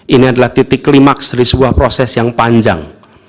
ini adalah titik klimaks dari sebuah proses yang panjang